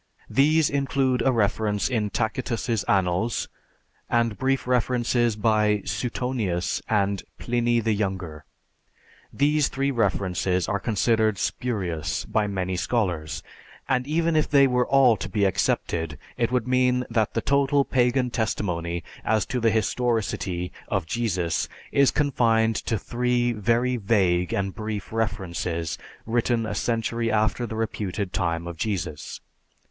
These include a reference in Tacitus' Annals, and brief references by Suetonius and Pliny the Younger. These three references are considered spurious by many scholars, and even if they were all to be accepted it would mean that the total pagan testimony as to the historicity of Jesus is confined to three very vague and brief references written a century after the reputed time of Jesus.